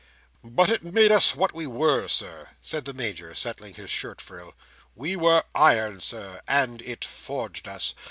"But it made us what we were, Sir," said the Major, settling his shirt frill. "We were iron, Sir, and it forged us.